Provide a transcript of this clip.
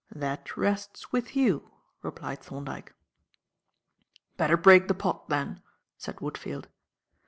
"That rests with you," replied Thorndyke. "Better break the pot, then," said Woodfield.